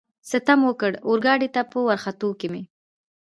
ستم وکړ، اورګاډي ته په ورختو کې مې.